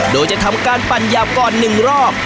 โดยจะทำการปั่นหยาบก่อน๑รอบ